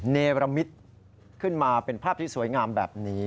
เนรมิตขึ้นมาเป็นภาพที่สวยงามแบบนี้